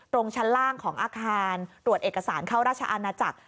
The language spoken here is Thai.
ชั้นล่างของอาคารตรวจเอกสารเข้าราชอาณาจักร